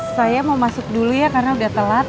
saya mau masuk dulu ya karena udah telat